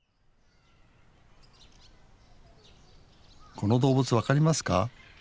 この動物分かりますか？